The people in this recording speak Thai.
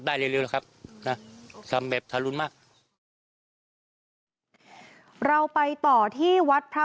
ซึ่งครอบครัวนำร่างของนายค่ะ